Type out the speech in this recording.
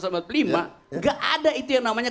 tidak ada itu yang namanya